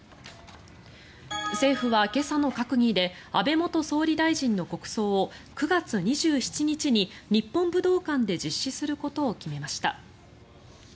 政府は今朝の閣議で安倍元総理大臣の国葬を９月２７日に日本武道館で実施することを決めました。